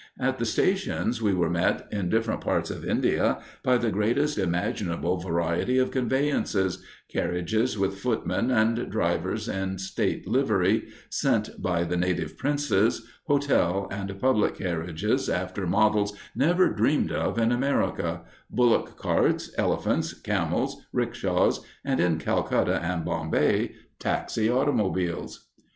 At the stations, we were met in different parts of India by the greatest imaginable variety of conveyances carriages with footmen and drivers in state livery, sent by the native princes, hotel and public carriages after models never dreamed of in America, bullock carts, elephants, camels, rickshaws, and, in Calcutta and Bombay, taxi automobiles.